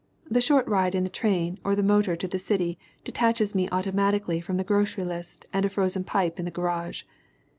The short ride in the train or the motor to the city detaches me automatically from the grocery list and a frozen pipe in the garage.